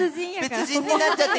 別人になっちゃって。